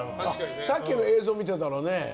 さっきの映像見てたらね